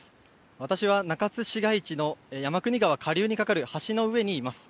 私は中津市街地の山国川下流に架かる橋の上にいます。